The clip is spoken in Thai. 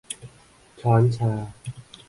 ช้อนชา